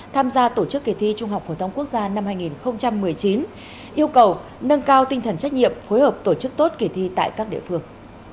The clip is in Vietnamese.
tham gia tổ chức kỳ thi trung học phổ thông quốc gia năm hai nghìn một mươi chín yêu cầu nâng cao tinh thần trách nhiệm phối hợp tổ chức tốt kỳ thi tại các địa phương